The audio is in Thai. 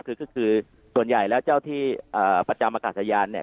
คือส่วนใหญ่แล้วเจ้าที่ประจำอากาศยานเนี่ย